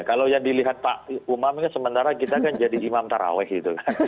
kalau yang dilihat pak umam sementara kita kan jadi imam taraweh gitu kan